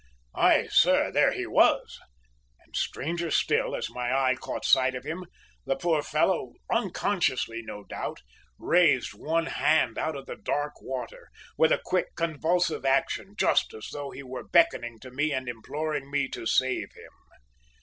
Aye, sir, there he was; and, stranger still, as my eye caught sight of him, the poor fellow, unconsciously, no doubt, raised one hand out of the dark water with a quick, convulsive action, just as though he were beckoning to me and imploring me to save him!